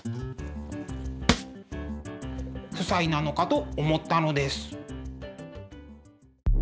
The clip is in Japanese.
夫妻なのかと思ったのです。